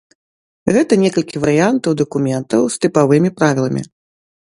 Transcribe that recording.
Гэта некалькі варыянтаў дакументаў з тыпавымі правіламі.